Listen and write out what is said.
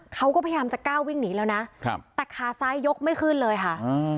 เขาก็พยายามจะกล้าวิ่งหนีแล้วนะครับแต่ขาซ้ายยกไม่ขึ้นเลยค่ะอืม